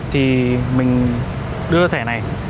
thì mình đưa thẻ này